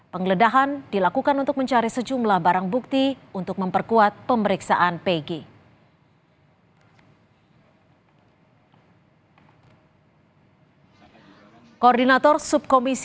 penggeledahan dilakukan untuk mencari sejumlah barang bukti untuk memperkuat pemeriksaan pg